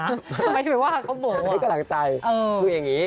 ทำไมที่ไว้ว่าเขาโมว่ะไม่กำลังใจคืออย่างนี้